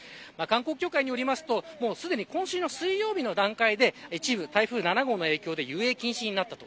観光協会によりますと今週の水曜日の段階で一部、台風７号の影響で遊泳禁止になったと。